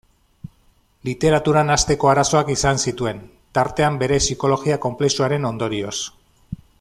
Literaturan hasteko arazoak izan zituen, tartean bere psikologia konplexuaren ondorioz.